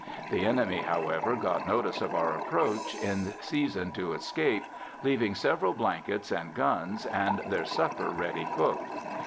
The enemy, however, got notice of our approach in season to escape, leaving several blankets and guns, and their supper ready cooked.